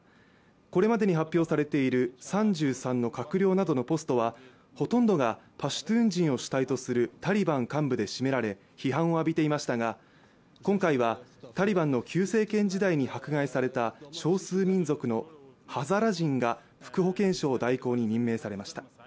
これまでに発表されている３３の閣僚などのポストはほとんどがパシュトゥーン人を主体とするタリバン幹部で占められ、批判を浴びていましたが、今回はタリバンの旧政権時代に迫害された少数民族のハザラ人が副保健相代行に任命されました。